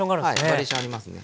バリエーションありますね。